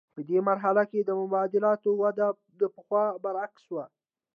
په دې مرحله کې د مبادلاتو وده د پخوا برعکس وه